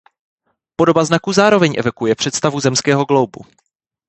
Podoba znaku zároveň evokuje představu zemského glóbu.